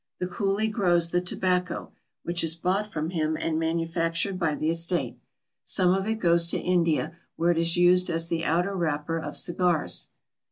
The coolie grows the tobacco, which is bought from him and manufactured by the estate. Some of it goes to India, where it is used as the outer wrapper of cigars.